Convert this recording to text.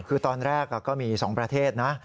คือตอนแรกก็มี๒ประเทศนะ